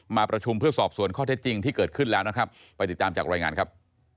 มาประชุมเพื่อสอบส่วนข้อเท็จจริงที่เกิดขึ้นแล้วนะครับไปติดตามจากรายงานครับ